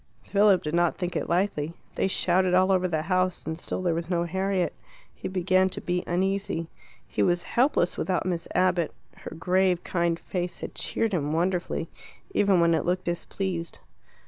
Philip did not think it likely. They shouted all over the house and still there was no Harriet. He began to be uneasy. He was helpless without Miss Abbott; her grave, kind face had cheered him wonderfully, even when it looked displeased.